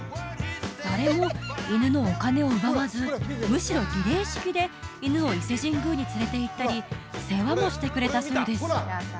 誰も犬のお金を奪わずむしろリレー式で犬を伊勢神宮に連れていったり世話もしてくれたそうです